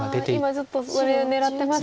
今ちょっとそれ狙ってますね。